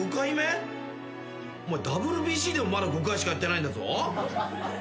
ＷＢＣでもまだ５回しかやってないんだぞ。